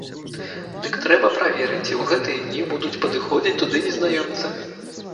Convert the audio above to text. Дык трэба праверыць, ці ў гэтыя дні будуць падыходзіць туды незнаёмцы.